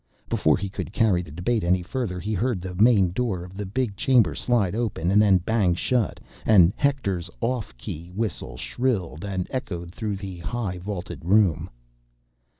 Before he could carry the debate any further, he heard the main door of the big chamber slide open and then bang shut, and Hector's off key whistle shrilled and echoed through the high vaulted room.